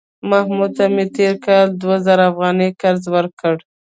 محمود ته مې تېر کال دوه زره افغانۍ قرض ورکړ